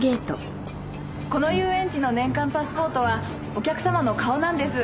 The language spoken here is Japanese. この遊園地の年間パスポートはお客様の顔なんです。